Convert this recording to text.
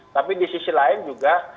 tapi di sisi lain juga